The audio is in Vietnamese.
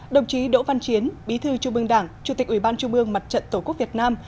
đồng chí đỗ văn chiến bí thư trung ương đảng chủ tịch ủy ban trung ương mặt trận tổ quốc việt nam